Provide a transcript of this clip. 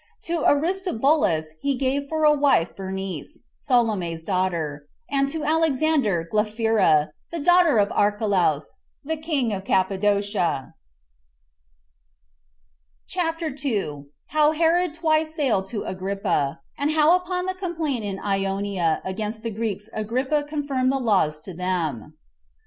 To Aristobulus he gave for a wife Bernice, Salome's daughter; and to Alexander, Glaphyra, the daughter of Archelaus, king of Cappadocia. CHAPTER 2. How Herod Twice Sailed To Agrippa; And How Upon The Complaint In Ionia Against The Greeks Agrippa Confirmed The Laws To Them.